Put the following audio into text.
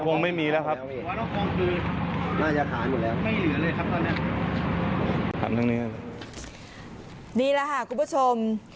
นี่แหละค่ะคุณผู้ชม